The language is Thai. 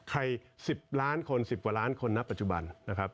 ๑๐ล้านคน๑๐กว่าล้านคนณปัจจุบันนะครับ